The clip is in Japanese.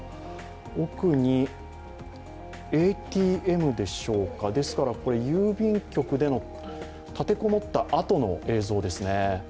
奥にＡＴＭでしょうか、ですからこれ郵便局で立て籠もったあとの映像ですね。